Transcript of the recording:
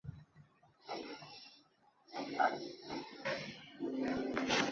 内罗利是位于美国加利福尼亚州康特拉科斯塔县的一个非建制地区。